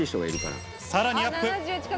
さらにアップ。